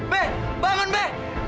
be bangun be